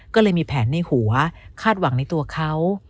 ก็เลยมีแผนในหัวคาดหวังในตัวเขา